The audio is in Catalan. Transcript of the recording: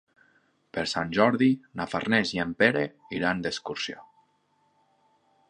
Per Sant Jordi na Farners i en Pere iran d'excursió.